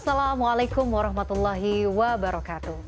assalamualaikum warahmatullahi wabarakatuh